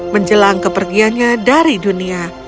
menjelang kepergiannya dari dunia